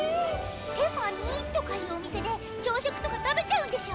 「テファニー」とかいうお店で朝食とか食べちゃうんでしょ？